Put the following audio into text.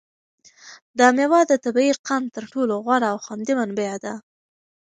دا مېوه د طبیعي قند تر ټولو غوره او خوندي منبع ده.